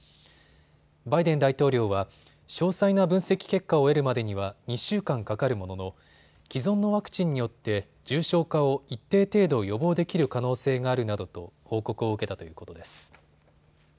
バイデン大統領は詳細な分析結果を得るまでには２週間かかるものの既存のワクチンによって重症化を一定程度予防できる可能性があるなどと報告を受けたということです。